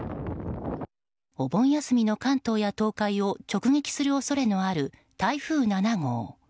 お盆休みの関東や東海を直撃する恐れのある台風７号。